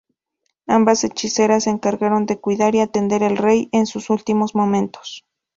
Ambas hechiceras se encargaron de cuidar y atender al rey en sus últimos momentos.